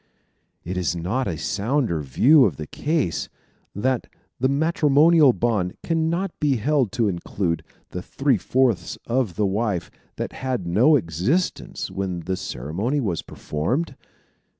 Is it not a sounder view of the case, that the matrimonial bond can not be held to include the three fourths of the wife that had no existence when the ceremony was performed?